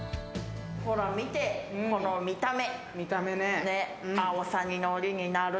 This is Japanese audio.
見て、この見た目。